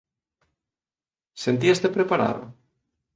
Sentíaste preparado?